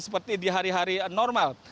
seperti di hari hari normal